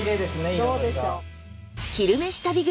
そうでしょう。